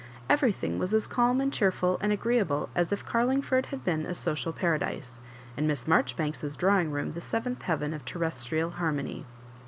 Every thing was as calm and cheerful and agreeable as if Garlingford bad been a social paradise, and Miss Marforibanks^s drawing room the seventh heaven of. terrestrial harmony.